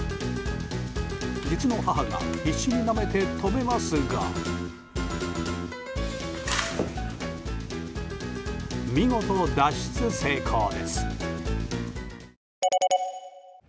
実の母が必死になめて止めますが見事、脱出成功です。